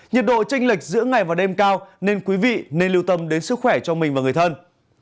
nhiệt độ tranh lệch giữa ngày và đêm cao nên quý vị nên lưu tâm đến sức khỏe cho mình và người thân